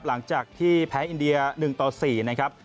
หลังจากที่แพ้อินเดีย๑ต่อ๔นะครับ